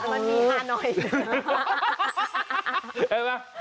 บางทีฮาหน่อย